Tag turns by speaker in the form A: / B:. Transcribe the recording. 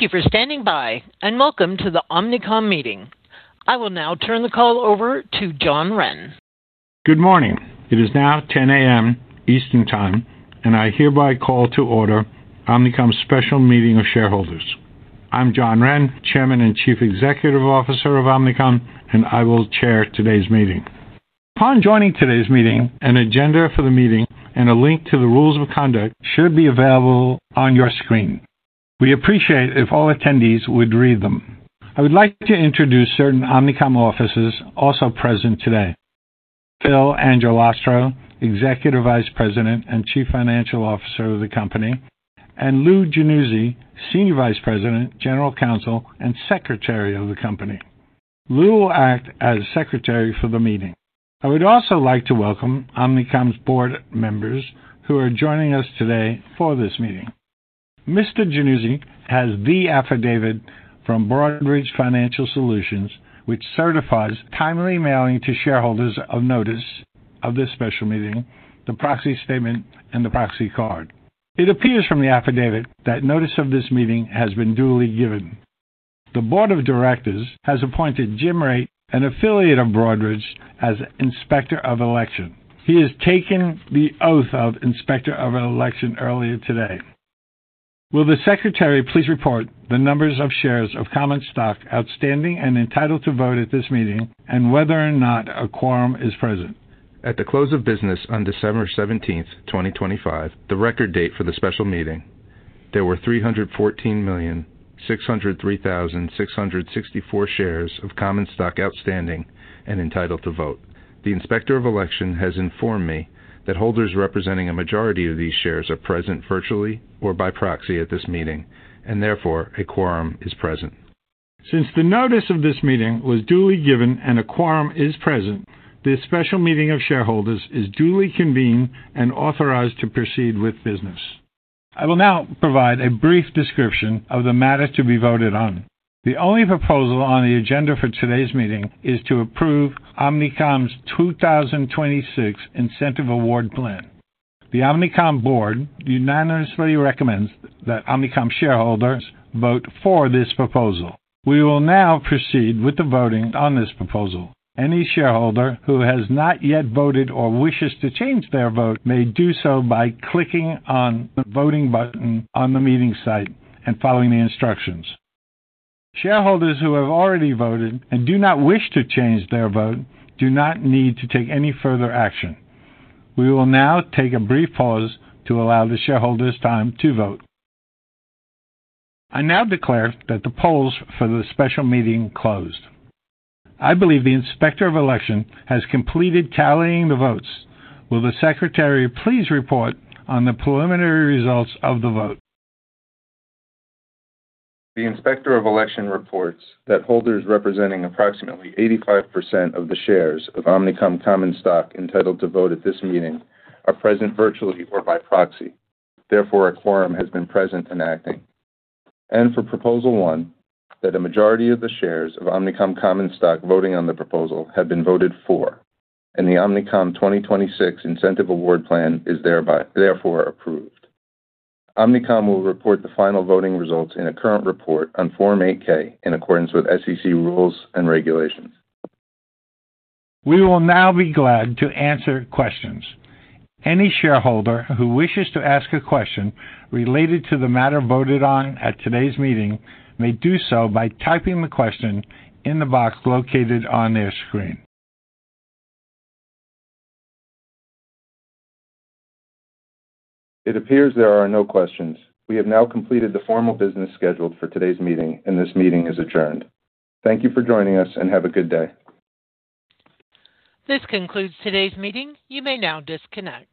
A: Thank you for standing by, and welcome to the Omnicom meeting. I will now turn the call over to John Wren.
B: Good morning. It is now 10:00 A.M. Eastern Time, and I hereby call to order Omnicom's special meeting of shareholders. I'm John Wren, Chairman and Chief Executive Officer of Omnicom, and I will chair today's meeting. Upon joining today's meeting, an agenda for the meeting and a link to the rules of conduct should be available on your screen. We appreciate if all attendees would read them. I would like to introduce certain Omnicom officers also present today. Phil Angelastro, Executive Vice President and Chief Financial Officer of the company, and Lou Januzzi, Senior Vice President, General Counsel, and Secretary of the company. Lou will act as Secretary for the meeting. I would also like to welcome Omnicom's board members who are joining us today for this meeting. Mr. Januzzi has the affidavit from Broadridge Financial Solutions, which certifies timely mailing to shareholders of notice of this special meeting, the proxy statement, and the proxy card. It appears from the affidavit that notice of this meeting has been duly given. The Board of Directors has appointed Jim Ray, an affiliate of Broadridge, as Inspector of Election. He has taken the oath of Inspector of Election earlier today. Will the Secretary please report the number of shares of common stock outstanding and entitled to vote at this meeting, and whether or not a quorum is present?
C: At the close of business on December seventeenth, 2025, the record date for the special meeting, there were 314,603,664 shares of common stock outstanding and entitled to vote. The Inspector of Election has informed me that holders representing a majority of these shares are present, virtually or by proxy at this meeting, and therefore, a quorum is present.
B: Since the notice of this meeting was duly given and a quorum is present, this special meeting of shareholders is duly convened and authorized to proceed with business. I will now provide a brief description of the matter to be voted on. The only proposal on the agenda for today's meeting is to approve Omnicom's 2026 Incentive Award Plan. The Omnicom Board unanimously recommends that Omnicom shareholders vote for this proposal. We will now proceed with the voting on this proposal. Any shareholder who has not yet voted or wishes to change their vote may do so by clicking on the voting button on the meeting site and following the instructions. Shareholders who have already voted and do not wish to change their vote do not need to take any further action. We will now take a brief pause to allow the shareholders time to vote. I now declare that the polls for the special meeting closed. I believe the Inspector of Election has completed tallying the votes. Will the Secretary please report on the preliminary results of the vote?
C: The Inspector of Election reports that holders representing approximately 85% of the shares of Omnicom common stock entitled to vote at this meeting are present virtually or by proxy. Therefore, a quorum has been present and acting. For proposal one, that a majority of the shares of Omnicom common stock voting on the proposal have been voted for, and the Omnicom 2026 Incentive Award Plan is thereby, therefore approved. Omnicom will report the final voting results in a current report on Form 8-K, in accordance with SEC rules and regulations.
B: We will now be glad to answer questions. Any shareholder who wishes to ask a question related to the matter voted on at today's meeting may do so by typing the question in the box located on their screen.
C: It appears there are no questions. We have now completed the formal business scheduled for today's meeting, and this meeting is adjourned. Thank you for joining us, and have a good day.
A: This concludes today's meeting. You may now disconnect.